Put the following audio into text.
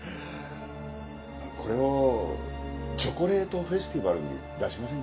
これをチョコレートフェスティバルに出しませんか？